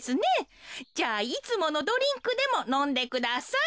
じゃあいつものドリンクでものんでください。